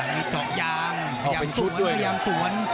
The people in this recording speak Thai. มีเจาะยางยางสวนยางสวน